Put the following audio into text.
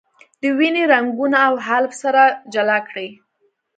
د وینې رګونه او حالب سره جلا کړئ.